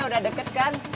kantornya udah deket kan